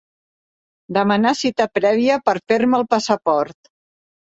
Demanar cita prèvia per fer-me el passaport.